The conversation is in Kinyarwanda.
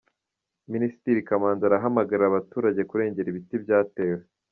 Minisitiri Kamanzi arahamagarira abaturage kurengera ibiti byatewe